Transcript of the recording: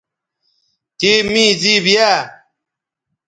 تِے می زِیب یاء